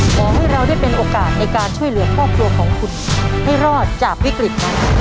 ขอให้เราได้เป็นโอกาสในการช่วยเหลือครอบครัวของคุณให้รอดจากวิกฤตนั้น